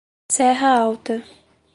Serra Alta